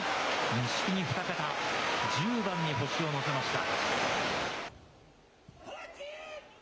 錦木、２桁、１０番に星を乗せました。